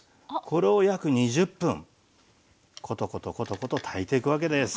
これを約２０分コトコトコトコト炊いていくわけです。